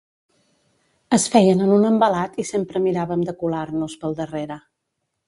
Es feien en un embalat i sempre miràvem de colar-nos pel darrere.